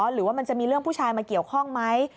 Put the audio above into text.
หรือว่ามันจะมีเรื่องผู้ชายมาเกี่ยวข้องไหม